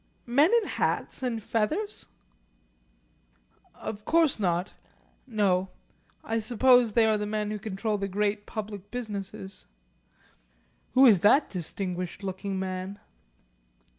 "Men in hats and feathers?" "Of course not. No. I suppose they are the men who control the great public businesses. Who is that distinguished looking man?"